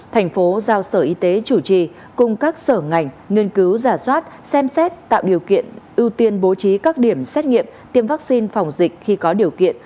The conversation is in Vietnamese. thành phố giao sở y tế chủ trì cùng các sở ngành nghiên cứu giả soát xem xét tạo điều kiện ưu tiên bố trí các điểm xét nghiệm tiêm vaccine phòng dịch khi có điều kiện